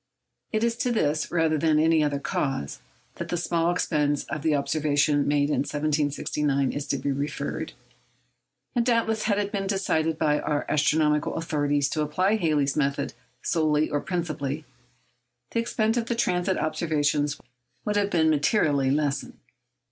It is to this, rather than any other cause, that the small expense of the observations made in 1769 is to be referred. And doubtless had it been decided by our astronomical authorities to apply Halley's method solely or principally, the expense of the transit observations would have been materially lessened.